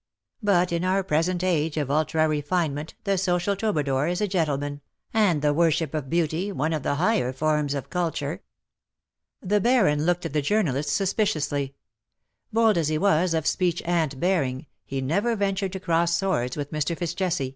But in our present age of ultra refinement the social troubadour is a gentleman_, and the worship of beauty one of the higher forms of calture." The Baron looked at the journalist suspiciously. Bold as he was of speech and bearings he never ven tured to cross swords with Mr. Fitz Jesse.